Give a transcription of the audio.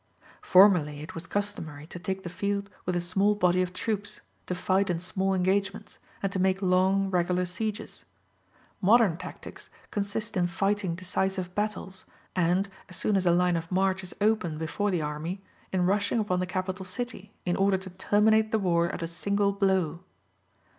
Formerly it was customary to take the field with a small body of troops, to fight in small engagements, and to make long, regular sieges: modern tactics consist in fighting decisive battles, and, as soon as a line of march is open before the army, in rushing upon the capital city, in order to terminate the war at a single blow.